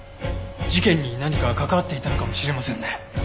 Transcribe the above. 事件に何か関わっていたのかもしれませんね。